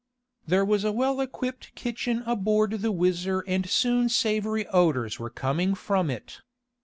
There was a well equipped kitchen aboard the WHIZZER and soon savory odors were coming from it.